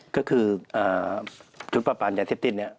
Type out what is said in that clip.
ก็คือชุดประปานยาเสพติดเนี่ย